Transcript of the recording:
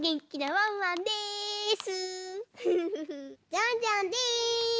ジャンジャンです！